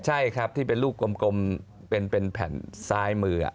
ใช่ครับที่เป็นลูกกลมเป็นแผ่นซ้ายมือ